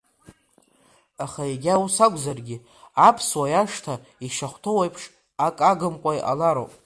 Аха егьа ус акәзаргьы, аԥсуа иашҭа ишахәҭоу еиԥш ак агымкәа иҟалароуп.